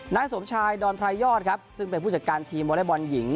นายสมชายดอนไพรยอดครับซึ่งเป็นผู้จัดการทีมวอเล็กบอลหญิง